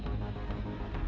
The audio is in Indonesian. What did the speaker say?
masih ada yang mau ngomong